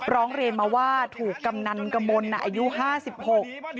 ร้องเรียนมาว่าถูกกำนันกระมวลน่ะอายุห้าสิบหก